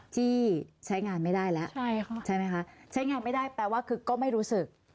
ที่ใช้งานไม่ได้แล้วใช่ไหมคะใช้งานไม่ได้แปลว่าคือก็ไม่รู้สึก